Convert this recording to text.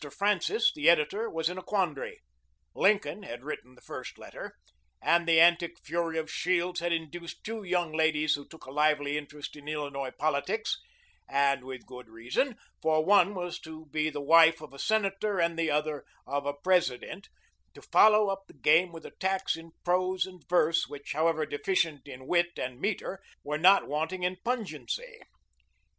Francis, the editor, was in a quandary. Lincoln had written the first letter, and the antic fury of Shields had induced two young ladies who took a lively interest in Illinois politics and with good reason, for one was to be the wife of a Senator and the other of a President to follow up the game with attacks in prose and verse which, however deficient in wit and meter, were not wanting in pungency.